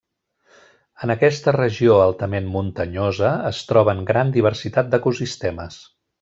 En aquesta regió altament muntanyosa es troba gran diversitat d'ecosistemes.